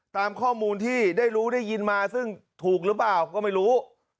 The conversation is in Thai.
ตามข้อมูลที่ได้รู้ได้ยินมาซึ่งถูกหรือเปล่าก็ไม่รู้